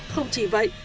không chỉ vậy